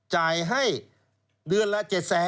จ่ายให้เดือนละ๗๐๐